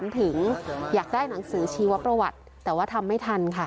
ถึงอยากได้หนังสือชีวประวัติแต่ว่าทำไม่ทันค่ะ